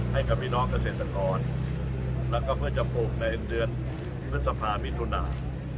ให้กับพี่น้องเกษตรกรแล้วก็เพื่อจะปลูกในเดือนพฤษภามิถุนา